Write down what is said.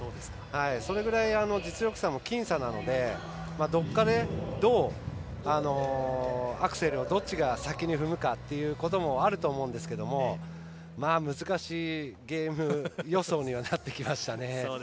それぐらい、実力差も僅差なのでどこかで、アクセルをどっちが先に踏むかということもあると思うんですけれども難しいゲーム予想にはなってきましたね。